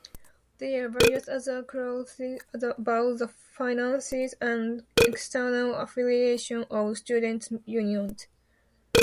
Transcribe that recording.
There are various other clauses about the finances and external affiliations of students' unions.